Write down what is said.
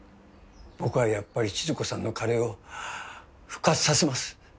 僕はやっぱり千鶴子さんのカレーを復活させます。